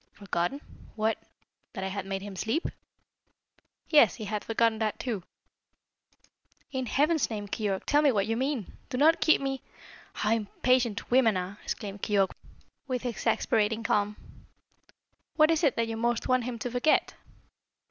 "Forgotten? What? That I had made him sleep?" "Yes. He had forgotten that too." "In Heaven's name, Keyork, tell me what you mean! Do not keep me " "How impatient women are!" exclaimed Keyork with exasperating calm. "What is it that you most want him to forget?"